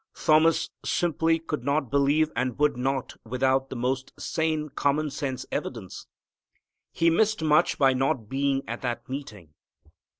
Thomas simply could not believe, and would not, without the most sane, common sense evidence. He missed much by not being at that meeting.